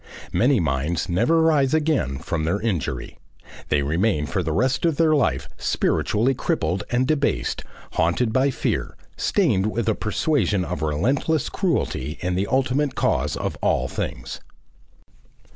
Many minds never rise again from their injury. They remain for the rest of life spiritually crippled and debased, haunted by a fear, stained with a persuasion of relentless cruelty in the ultimate cause of all things.